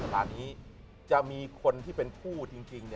ตอนนี้จะมีคนที่เป็นผู้จริง